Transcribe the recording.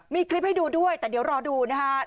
มีคลิปให้ดูด้วยแต่เดี๋ยวรอดูนะฮะ